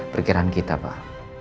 perkiraan kita pak